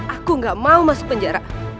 aku gak mau masuk penjara